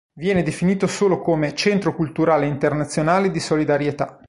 Viene definito solo come "centro culturale internazionale di solidarietà".